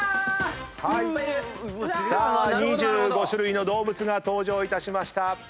さあ２５種類の動物が登場いたしました。